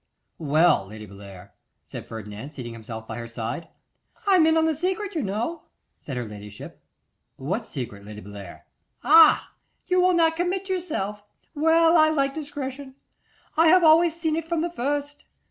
'Well, Lady Bellair,' said Ferdinand, seating himself by her side. 'I am in the secret, you know,' said her ladyship. 'What secret, Lady Bellair?' 'Ah! you will not commit yourself. Well, I like discretion. I have always seen it from the first.